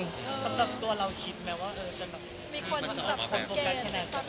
สำหรับตัวเราคิดจะคิดว่า